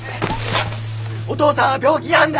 お父さんは病気なんだ！